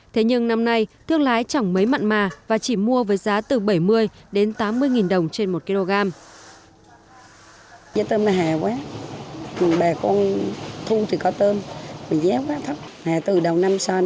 thế nhưng năm nay thương lái chẳng mấy mặn mà và chỉ mua với giá từ bảy mươi đến tám mươi đồng trên một kg